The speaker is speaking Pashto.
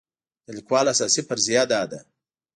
د لیکوال اساسي فرضیه دا ده.